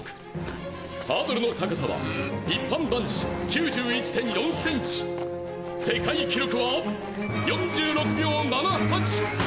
「ハードルの高さは一般男子９１．４センチ」「世界記録は４６秒７８！」